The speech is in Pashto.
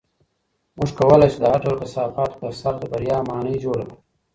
موږ کولی شو د هر ډول کثافاتو په سر د بریا ماڼۍ جوړه کړو.